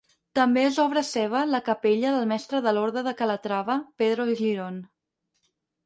També és obra seva la capella del mestre de l'orde de Calatrava Pedro Girón.